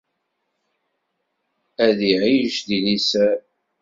Ad iɛic di liser.